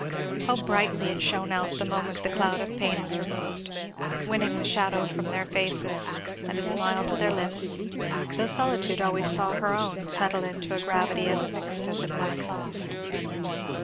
How brightly it shone out the moment the cloud of pain was removed, winning the shadow from their faces and a smile to their lips, though solitude always saw her own settle into a gravity as fixed as it was soft.